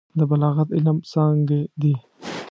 د بلاغت علم څانګې دي.